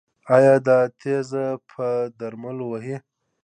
ایا دا تیږه په درملو وځي؟